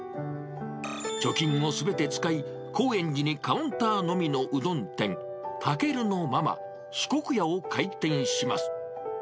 貯金をすべて使い、高円寺にカウンターのみのうどん店、たけるのママ四国屋を開店します。